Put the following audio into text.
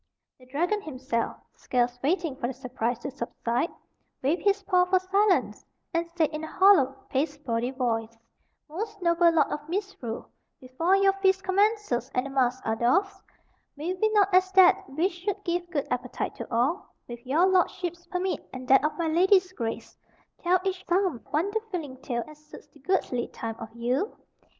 The dragon himself, scarce waiting for the surprise to subside, waved his paw for silence, and said, in a hollow, pasteboardy voice: "Most noble Lord of Misrule, before your feast commences and the masks are doff'd, may we not as that which should give good appetite to all, with your lordship's permit and that of my lady's grace, tell each some wonder filling tale as suits the goodly time of Yule?